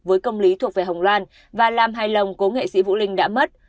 với công lý thuộc về hồng loan và làm hài lòng cố nghệ sĩ vũ linh đã mất